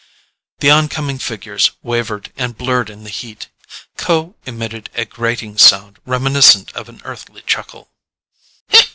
The oncoming figures wavered and blurred in the heat. Kho emitted a grating sound reminiscent of an Earthly chuckle.